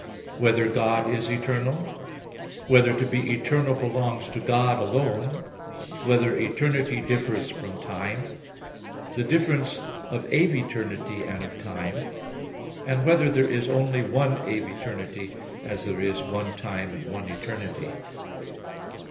(2) Whether God is eternal? (3) Whether to be eternal belongs to God alone? (4) Whether eternity differs from time? (5) The difference of aeviternity and of time. (6) Whether there is only one aeviternity, as there is one time, and one eternity?